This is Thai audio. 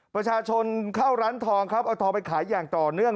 ประชาชนเข้าร้านทองครับเอาทองไปขายอย่างต่อเนื่อง